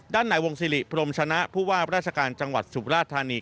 ด้านไหนวงซิริพรมชนะผู้ว่าราชการจังหวัดสุพราชธารีศ